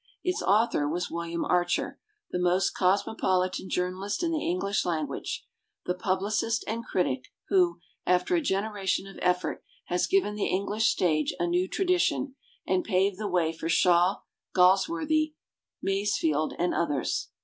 Its author was William Archer, the most cosmopolitan Journalist In the English language, the publicist and critic who, after a generation of effort, has given the English stage a new tradition and paved the way for Shaw, Galsworthy, Masefield and others.